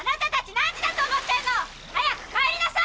何時だと思ってんの！早く帰りなさい！